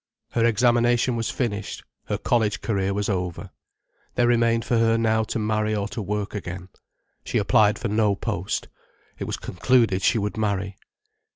Her examination was finished, her college career was over. There remained for her now to marry or to work again. She applied for no post. It was concluded she would marry.